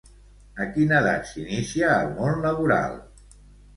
A quina edat s'inicia al món laboral?